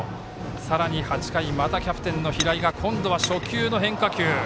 さらに、８回またキャプテンの平井が今度は初球の変化球。